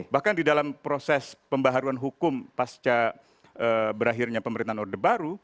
bahkan di dalam proses pembaharuan hukum pasca berakhirnya pemerintahan orde baru